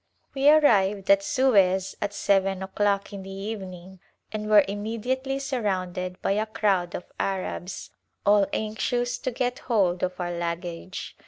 We arrived at Suez at seven o'clock in the evening and were immediately surrounded by a crowd of Arabs, all anxious to get hold of our luggage.